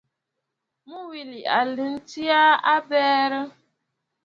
Mû wilì à nɨ tsiʼ ì àbə̀rə̀.